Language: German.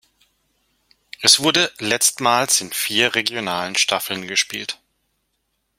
Es wurde letztmals in vier regionalen Staffeln gespielt.